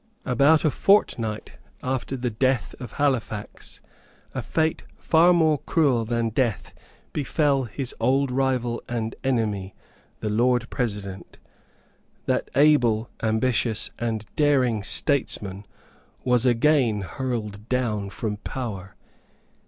About a fortnight after the death of Halifax, a fate far more cruel than death befell his old rival and enemy, the Lord President. That able, ambitious and daring statesman was again hurled down from power.